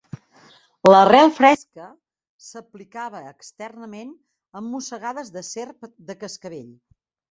L'arrel fresca s'aplicava externament en mossegades de serp de cascavell.